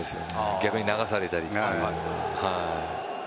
逆に流されたりとか。